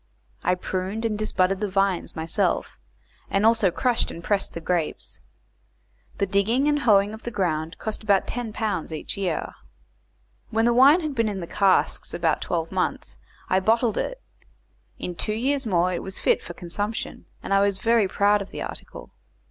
I pruned and disbudded the vines myself, and also crushed and pressed the grapes. The digging and hoeing of the ground cost about 10 pounds each year. When the wine had been in the casks about twelve months I bottled it; in two years more it was fit for consumption, and I was very proud of the article.